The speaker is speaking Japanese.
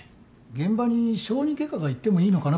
現場に小児外科が行ってもいいのかなと思ったよ。